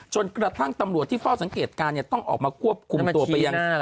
จนกระทั่งตำรวจที่เฝ้าสังเกตการณ์ต้องออกมาควบคุมตัวไปยัง